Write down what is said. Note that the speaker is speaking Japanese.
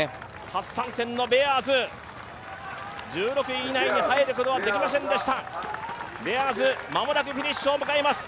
初参戦のベアーズ、１６位以内に入ることはできませんでした間もなくフィニッシュを迎えます。